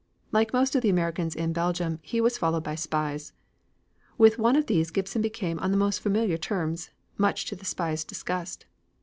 Like most of the Americans in Belgium he was followed by spies. With one of these Gibson became on the most familiar terms, much to the spy's disgust.